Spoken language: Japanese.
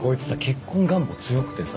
結婚願望強くてさ